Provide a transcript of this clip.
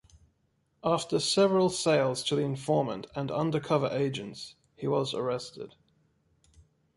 After several sales to the informant and undercover agents, he was arrested.